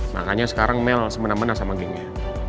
makanya sekarang mel semena mena sama gengnya